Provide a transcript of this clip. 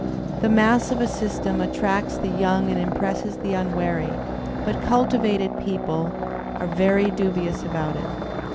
The mass of a sfystem attracts the young and impresses the unwary; but cultivated people are very dubious about it.